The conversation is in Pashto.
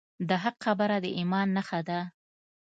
د حق خبره د ایمان نښه ده.